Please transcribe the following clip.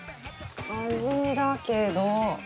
味だけど。